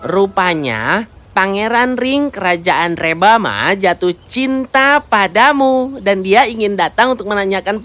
rupanya pangeran ring kerajaan rebama jatuh cinta padamu dan dia ingin datang untuk menanyakan